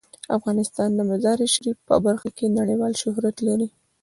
افغانستان د مزارشریف په برخه کې نړیوال شهرت لري.